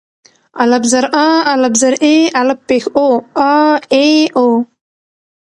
الپ زر آ، الپ زر اي، الپ پېښ أو آآ اي او.